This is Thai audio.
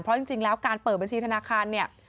เพราะจริงแล้วการเปิดบัญชีธนาคารเนี่ย